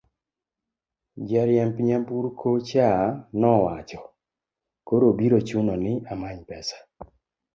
jariemb nyamburko cha nowacho, koro biro chuno ni amany pesa